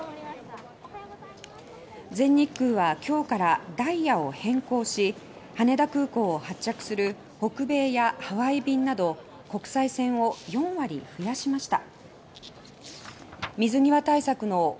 全日空は今日からダイヤを変更し羽田空港を発着する北米やハワイ便など国際線を４割増やしました。